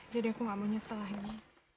jadi aku gak mau nyesel lagi